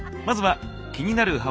まずは気になる